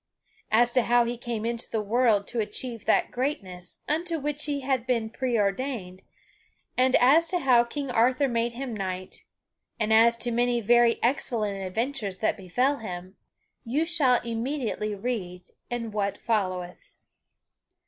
As to how he came into the world to achieve that greatness unto which he had been preordained, and as to how King Arthur made him knight, and as to many very excellent adventures that befell him, you shall immediately read in what followeth.